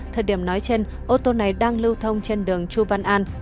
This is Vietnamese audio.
thời điểm nói trên ô tô này đang lưu thông trên đường chu văn an